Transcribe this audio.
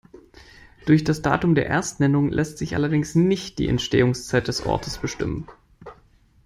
Durch das Datum der Erstnennung lässt sich allerdings nicht die Entstehungszeit des Ortes bestimmen.